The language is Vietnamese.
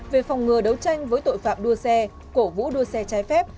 về phòng ngừa đấu tranh với tội phạm đua xe cổ vũ đua xe trái phép